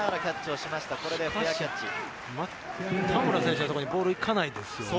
田村選手のところにボールが行かないですね。